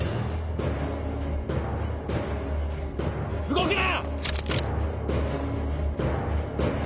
動くな！